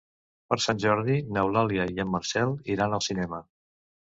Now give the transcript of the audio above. Per Sant Jordi n'Eulàlia i en Marcel iran al cinema.